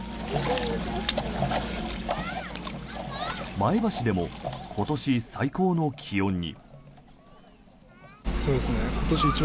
前橋でも今年最高の気温に。